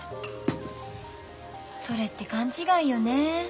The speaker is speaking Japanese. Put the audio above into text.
それって勘違いよね。